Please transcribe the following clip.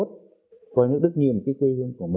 tranh thủ được nhiều đối tạng